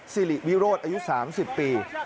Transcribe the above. สิริวิโรธอายุ๓๐ปี